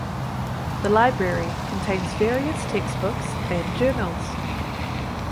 The library contains various textbooks and journals.